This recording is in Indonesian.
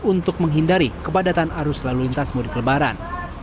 untuk menghindari kepadatan arus lalu lintas mudik lebaran